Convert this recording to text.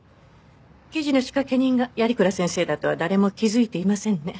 記事の仕掛け人が鑓鞍先生だとは誰も気づいていませんね。